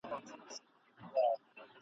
تمدن او تاریخي افتخاراتو مرکز !.